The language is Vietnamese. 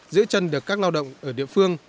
giữ chân được các lao động ở địa phương